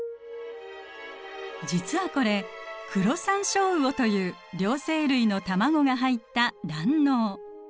実はこれクロサンショウウオという両生類の卵が入った卵嚢。